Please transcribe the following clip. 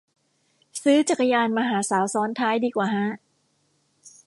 ซื้อจักรยานมาหาสาวซ้อนท้ายดีกว่าฮะ